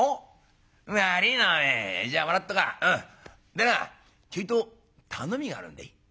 でなちょいと頼みがあるんでい」。